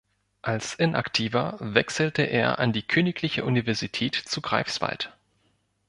Als Inaktiver wechselte er an die Königliche Universität zu Greifswald.